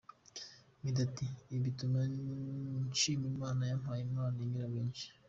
Meddy ati ’Ibi bituma nshima Imana yampaye impano inyura benshi’.